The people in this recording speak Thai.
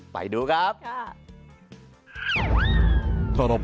ไปดูครับ